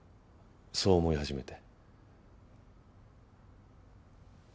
そう思い始めて。